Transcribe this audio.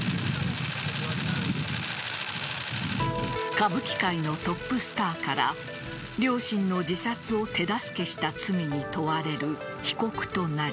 歌舞伎界のトップスターから両親の自殺を手助けした罪に問われる被告となり